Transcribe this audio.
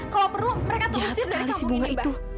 kalau perlu mereka terus dihubungi mbah